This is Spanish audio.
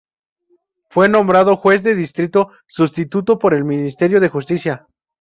Fue nombrado Juez de Distrito Sustituto por el Ministerio de Justicia.